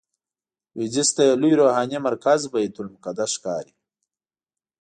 لویدیځ ته یې لوی روحاني مرکز بیت المقدس ښکاري.